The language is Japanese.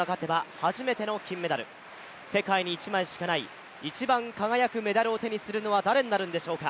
世界に１枚しかない、一番輝くメダルを手にするのは誰なんでしょうか。